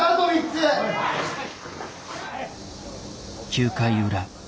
９回裏。